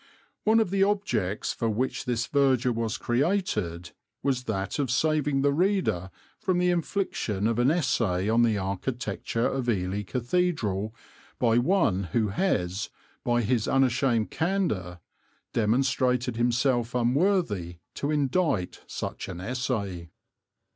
One of the objects for which this verger was created was that of saving the reader from the infliction of an essay on the architecture of Ely Cathedral by one who has, by his unashamed candour, demonstrated himself unworthy to indite such an essay.